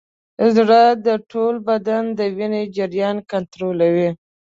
زړه د ټول بدن د وینې جریان کنټرولوي.